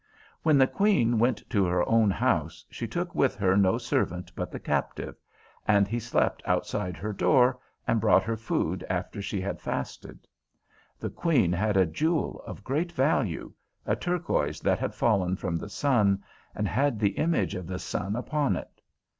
When the Queen went to her own house she took with her no servant but the Captive, and he slept outside her door and brought her food after she had fasted. The Queen had a jewel of great value, a turquoise that had fallen from the sun, and had the image of the sun upon it.